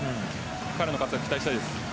彼の活躍を期待したいです。